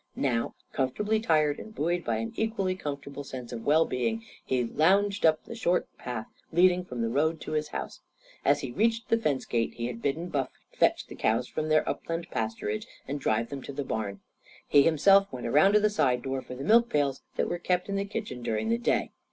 Now, comfortably tired and buoyed by an equally comfortable sense of well being, he lounged up the short path leading from the road to his house. As he reached the fence gate he had bidden Buff fetch the cows from their upland pasturage and drive them to the barn. He himself went around to the side door, for the milk pails that were kept in the kitchen during the day.